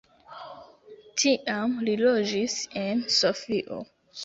Tiam li loĝis en Sofio.